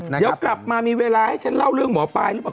เดี๋ยวกลับมามีเวลาให้เชิญเล่าเรื่องหมอไปดูป่ะ